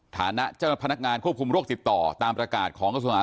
ฐานะเจ้าพนักงานควบคุมโรคติดต่อตามประกาศของกระทรวงอา